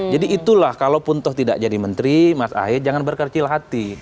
jadi itulah kalau pun toh tidak jadi menteri mas ahy jangan berkercil hati